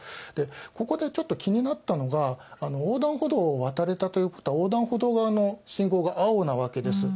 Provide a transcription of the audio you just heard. ここでちょっと気になったのが、横断歩道を渡れたということは、横断歩道側の信号が青なわけです。